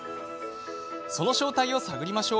その正体を探りましょう。